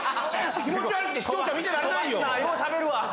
気持ち悪くて視聴者見てられないよ